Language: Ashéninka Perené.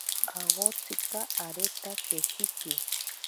Awotsika areta keshiki.